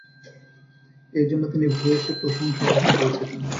এইজন্য তিনি ভূয়সী প্রশংসা অর্জন করেছিলেন।